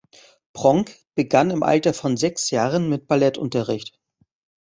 Pronk begann im Alter von sechs Jahren mit Ballettunterricht.